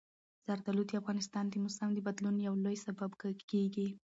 زردالو د افغانستان د موسم د بدلون یو لوی سبب کېږي.